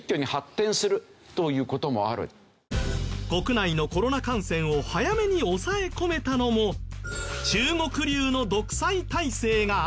国内のコロナ感染を早めに抑え込めたのも中国流の独裁体制があったから。